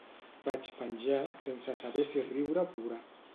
Vaig penjar sense saber si riure o plorar.